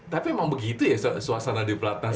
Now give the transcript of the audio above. tapi emang begitu ya suasana di platnas